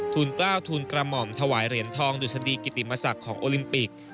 กล้าวทูลกระหม่อมถวายเหรียญทองดุษฎีกิติมศักดิ์ของโอลิมปิก